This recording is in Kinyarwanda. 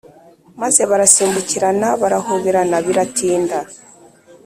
maze barasimbukirana barahoberana biratinda.